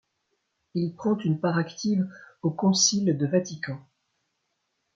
Il prend une part active au concile de Vatican.